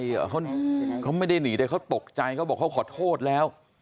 เหรอเขาไม่ได้หนีแต่เขาตกใจเขาบอกเขาขอโทษแล้ว